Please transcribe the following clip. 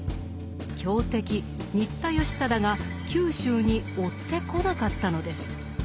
強敵新田義貞が九州に追ってこなかったのです。